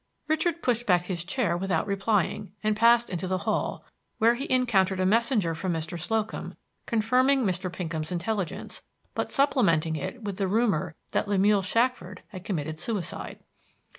Richard pushed back his chair without replying, and passed into the hall, where he encountered a messenger from Mr. Slocum, confirming Mr. Pinkham's intelligence, but supplementing it with the rumor that Lemuel Shackford had committed suicide.